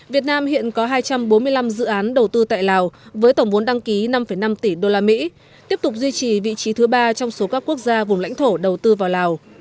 việt nam hiện có hai trăm bốn mươi năm dự án đầu tư tại lào với tổng vốn đăng ký năm năm tỷ usd tiếp tục duy trì vị trí thứ ba trong số các quốc gia vùng lãnh thổ đầu tư vào lào